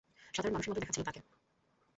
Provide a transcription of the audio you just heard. সাধারণ মানুষের মতই দেখাচ্ছিল তাকে।